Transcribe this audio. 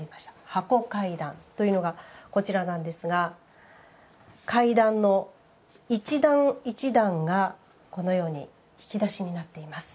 箱階段というのがこちらなんですが階段の一段一段がこのように引き出しになっています。